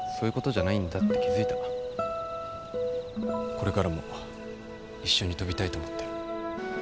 これからも一緒に飛びたいと思ってる。